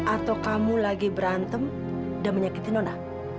atau kamu lagi berantem dan menyakiti nona